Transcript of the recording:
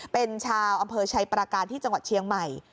เป็นชาวอำเภอชัยประการที่จังหวัดเชียงใหม่